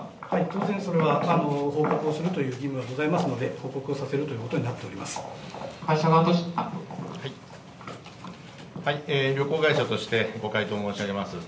当然それは、報告をするという義務はございますので、報告をさせるということになっておりま旅行会社としてご回答申し上げます。